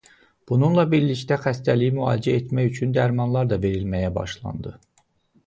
Bununla birlikdə xəstəliyi müalicə etmək üçün dərmanlar da verilməyə başlandı.